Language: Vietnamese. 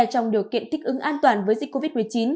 trong điều kiện thích ứng an toàn với dịch covid một mươi chín